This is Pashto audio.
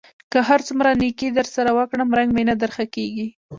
که هر څومره نېکي در سره وکړم؛ رنګ مې نه در ښه کېږي.